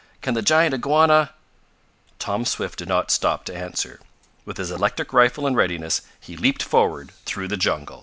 Can the giant iguana " Tom Swift did not stop to answer. With his electric rifle in readiness, he leaped forward through the jungle.